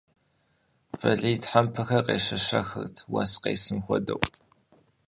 Бэлий тхьэмпэхэр къещэщэхырт, уэс къесым хуэдэу.